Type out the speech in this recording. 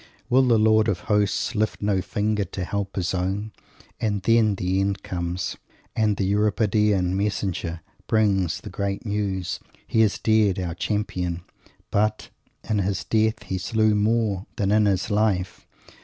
Will the Lord of Hosts lift no finger to help his own? And then the end comes; and the Euripidean "messenger" brings the great news! He is dead, our Champion; but in his death he slew more than in his life.